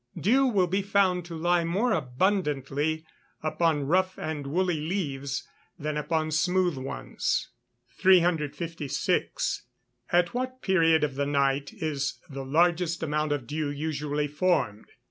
Dew will be found to lie more abundantly upon rough and woolly leaves than upon smooth ones. 356. _At what period of the night is the largest amount of dew usually formed?